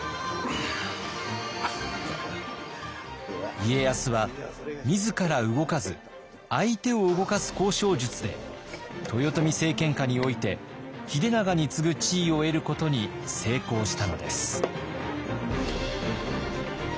家康は自ら動かず相手を動かす交渉術で豊臣政権下において秀長に次ぐ地位を得ることに成功したのです。